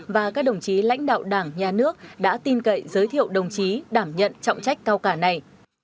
và các đồng chí lãnh đạo đảng nhà nước đã tin cậy giới thiệu đồng chí đảm nhận trọng trách cao cả này